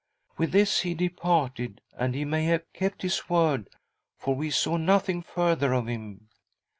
':' With this he departed, and he may have kept his word, for we saw nothing further of him.